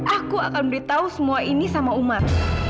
aku akan beritahu semua ini sama umar